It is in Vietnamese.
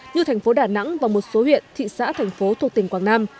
như thành phố đà nẵng và một số huyện thị xã thành phố thuộc tỉnh quảng nam